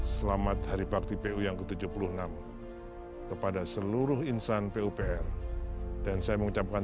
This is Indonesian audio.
selamat hari bakti pu yang ke tujuh puluh enam kepada seluruh insan pupr dan saya mengucapkan